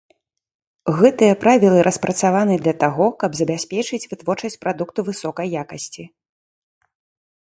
Гэтыя правілы распрацаваны для таго, каб забяспечыць вытворчасць прадукту высокай якасці.